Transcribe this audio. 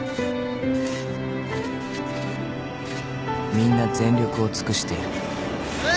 ［みんな全力を尽くしている］